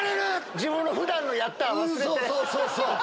自分の普段の「やった」忘れて。